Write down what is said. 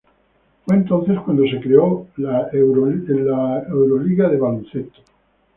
Fue entonces cuando se creó la Euroleague Basketball.